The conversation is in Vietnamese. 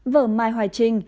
vở mai hoài trinh